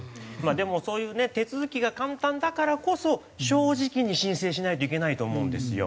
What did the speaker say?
でもそういうね手続きが簡単だからこそ正直に申請しないといけないと思うんですよ。